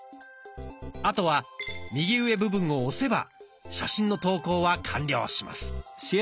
あとは右上部分を押せば写真の投稿は完了します。